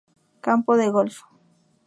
Campo de golf.